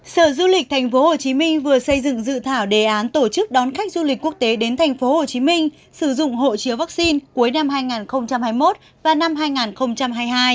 sở du lịch tp hcm vừa xây dựng dự thảo đề án tổ chức đón khách du lịch quốc tế đến tp hcm sử dụng hộ chiếu vaccine cuối năm hai nghìn hai mươi một và năm hai nghìn hai mươi hai